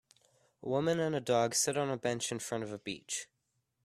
A woman and a dog sit on a bench in front of a beach.